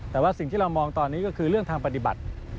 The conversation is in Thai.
แต่ว่าสิ่งที่เรามองตอนนี้ก็คือเรื่องทางปฏิบัติ